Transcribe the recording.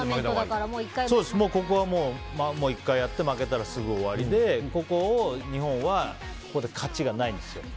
ここは１回やって負けたらすぐ終わりでここを日本は勝ちがないんですよ。